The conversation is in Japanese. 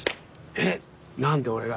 「え何で俺が！？」